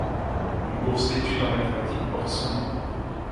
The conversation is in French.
Une bourse d'études en mathématiques porte son nom.